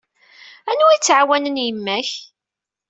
Anwa ay yettɛawanen yemma-k?